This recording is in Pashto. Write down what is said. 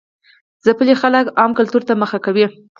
ځپلي خلک عوامي کلتور ته مخه کوي.